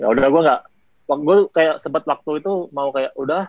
ya udah gue gak waktu gue kayak sempet waktu itu mau kayak udah